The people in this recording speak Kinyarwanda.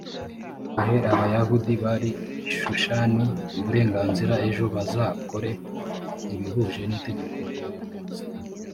ahe abayahudi bari i shushani uburenganzira ejo bazakore ibihuje n itegeko ry uyu munsi